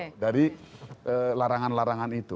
dan kemudian kita juga mengamati larangan larangan itu